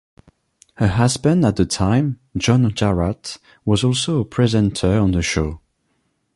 Her husband at the time, John Jarratt, was also a presenter on the show.